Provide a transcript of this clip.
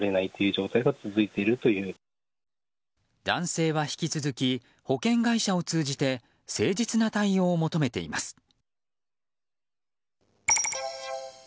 男性は引き続き保険会社を通じて誠実な対応を求めています。